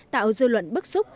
tạo dư luận bức xúc